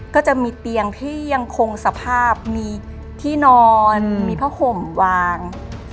ก็จะมีเตียงที่ยังคงสภาพมีที่นอนมีผ้าห่มวาง